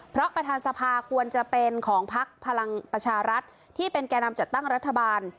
เพราะประธานสภาควรจะเป็นของพักพลังประชารัฐที่เป็นแก่นำจัดตั้งรัฐบาล